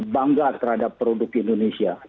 bangga terhadap produk indonesia